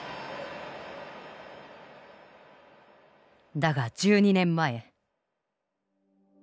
だが１２年前。